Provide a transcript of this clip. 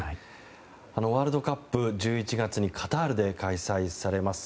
ワールドカップ１１月にカタールで開催されます。